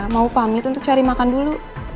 mau pamit untuk cari makan dulu